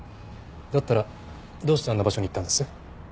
だったらどうしてあんな場所に行ったんです？